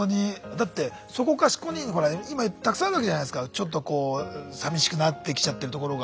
だってそこかしこにほら今たくさんあるわけじゃないすかちょっとこうさみしくなってきちゃってるところが。